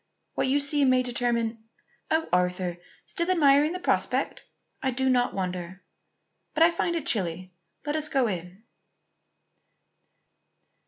What you see may determine oh, Arthur! still admiring the prospect? I do not wonder. But I find it chilly. Let us go in."